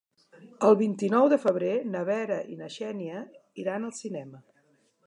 El vint-i-nou de febrer na Vera i na Xènia iran al cinema.